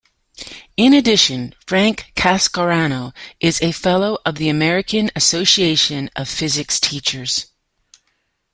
In addition, Frank Cascarano is a Fellow of the American Association of Physics Teachers.